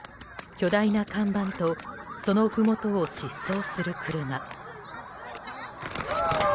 巨大な看板とそのふもとを疾走する車。